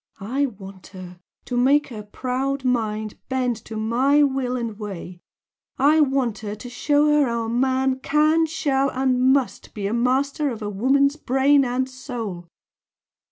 I want her, to make her proud mind bend to MY will and way! I want her to show her how a man can, shall, and MUST be master of a woman's brain and soul!"